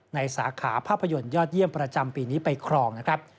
สาขาภาพยนตร์ยอดเยี่ยมประจำปีนี้ไปครองนะครับ